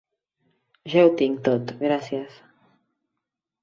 Ja ho tinc tot, gràcies.